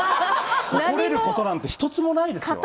誇れることなんて一つもないですよ